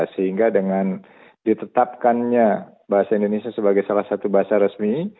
sehingga dengan ditetapkannya bahasa indonesia sebagai salah satu bahasa resmi